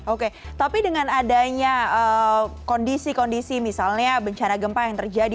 oke tapi dengan adanya kondisi kondisi misalnya bencana gempa yang terjadi